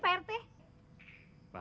pak kita harus berbicara